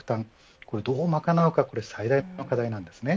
これどう賄うかが最大の課題なんです。